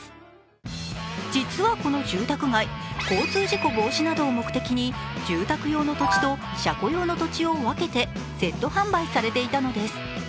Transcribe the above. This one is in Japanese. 実はこの住宅街、交通事故防止などを目的に住宅用の土地と車庫用の土地を分けてセット販売されていたのです。